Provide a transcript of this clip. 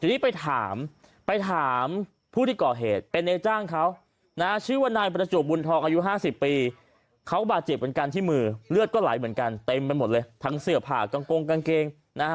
ทีนี้ไปถามไปถามผู้ที่ก่อเหตุเป็นในจ้างเขาชื่อว่านายประจวบบุญทองอายุ๕๐ปีเขาบาดเจ็บเหมือนกันที่มือเลือดก็ไหลเหมือนกันเต็มไปหมดเลยทั้งเสือผ่ากลางกงกางเกงนะฮะ